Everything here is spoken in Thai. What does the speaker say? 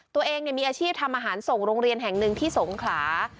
ตัวเองมีอาชีพทำอาหารส่งโรงเรียนแห่งหนึ่งที่สงขลา